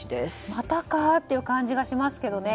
またかっていう感じがしますけどね。